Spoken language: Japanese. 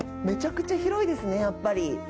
めちゃくちゃ広いですね、やっぱり。